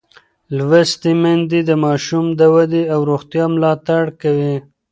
لوستې میندې د ماشوم د ودې او روغتیا ملاتړ کوي.